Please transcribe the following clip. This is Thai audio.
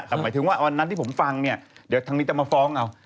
แต่หมายถึงว่าวันนั้นที่ผมฟังเนี่ยเดี๋ยวทางนี้จะมาฟ้องเอา